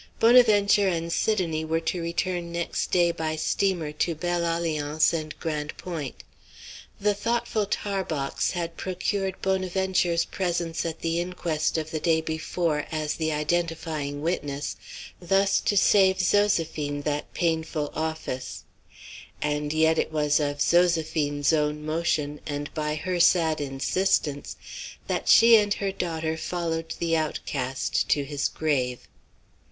Bonaventure and Sidonie were to return next day by steamer to Belle Alliance and Grande Pointe. The thoughtful Tarbox had procured Bonaventure's presence at the inquest of the day before as the identifying witness, thus to save Zoséphine that painful office. And yet it was of Zoséphine's own motion, and by her sad insistence, that she and her daughter followed the outcast to his grave.